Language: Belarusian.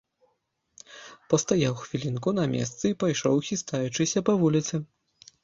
Пастаяў хвілінку на месцы і пайшоў, хістаючыся, па вуліцы.